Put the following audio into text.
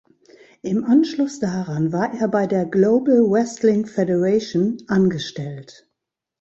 Im Anschluss daran war er bei der "Global Wrestling Federation" angestellt.